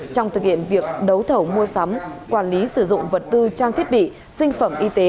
trong thực hiện việc đấu thầu mua sắm quản lý sử dụng vật tư trang thiết bị sinh phẩm y tế